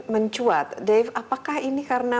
mencuat dave apakah ini karena